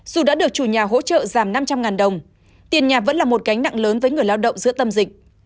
dù đã được chủ nhà hỗ trợ giảm năm trăm linh đồng tiền nhà vẫn là một cánh nặng lớn với người lao động giữa tâm dịch